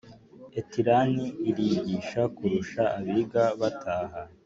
Eterina irigisha kurusha abiga bataha